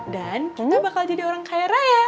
dan kita bakal jadi orang kaya raya